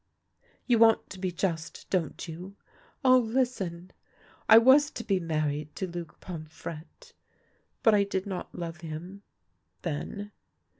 You want to be just, don't you ? Ah, listen ! I was to be married to Luc Pomfrette, but I did not love him — then.